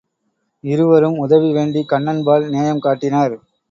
இருவரும் உதவி வேண்டிக் கண்ணன்பால் நேயம் காட்டினர்.